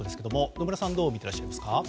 野村さんどう見ていらっしゃいますか？